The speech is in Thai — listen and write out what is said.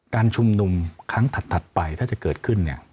การชุมนุมครั้งถัดไปถ้าจะเกิดขึ้น